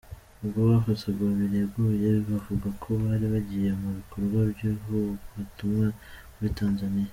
Ubwo bafatwaga, bireguye bavuga ko bari bagiye mu bikorwa by’ivugabutumwa muri Tanzania.